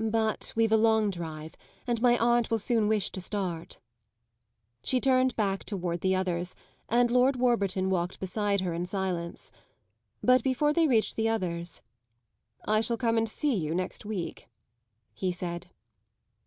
But we've a long drive, and my aunt will soon wish to start." She turned back toward the others and Lord Warburton walked beside her in silence. But before they reached the others, "I shall come and see you next week," he said.